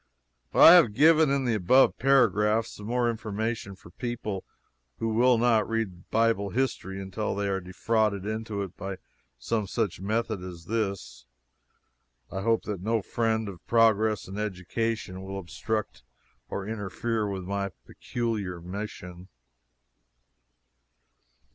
I have given, in the above paragraphs, some more information for people who will not read Bible history until they are defrauded into it by some such method as this. I hope that no friend of progress and education will obstruct or interfere with my peculiar mission.